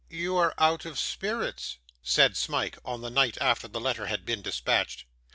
'You are out of spirits,' said Smike, on the night after the letter had been dispatched.